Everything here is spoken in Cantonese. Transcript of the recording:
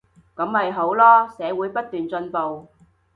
噉咪好囉，社會不斷進步